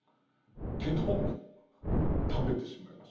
けど食べてしまいます。